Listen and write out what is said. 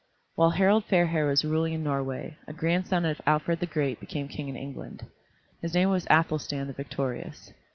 While Harald Fairhair was ruling in Norway, a grandson of Alfred the Great became king in England. His name was Athelstan the Victorious.